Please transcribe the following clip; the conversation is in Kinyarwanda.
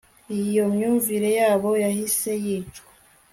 iyo myumvire yabo yahise yicwa